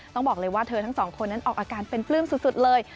ต้องบอกเลยว่าเธอทั้งสองคนนั้นออกอาการเป็นปลื้มสุดเลย